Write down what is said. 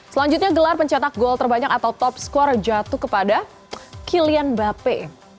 selanjutnya gelar pencetak gol terbanyak atau top skor jatuh kepada kylian mbappe